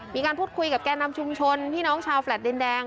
มีการพูดคุยกับแก่นำชุมชนพี่น้องชาวแลตดินแดง